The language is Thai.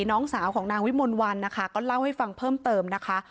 น้องสาวของนางวิมลวันนะคะก็เล่าให้ฟังเพิ่มเติมนะคะ